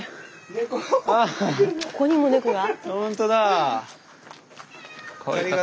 ここにも猫が？